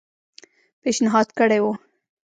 پېشنهاد کړی وو.